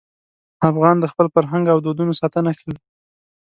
افغان د خپل فرهنګ او دودونو ساتنه کوي.